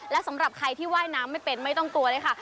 และสำหรับใครที่ว่ายน้ำไม่เป็นไม่ต้องกลัวเลยค่ะ